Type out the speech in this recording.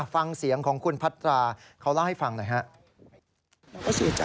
ฟังเสียงของคุณพัตราเขาเล่าให้ฟังหน่อยครับ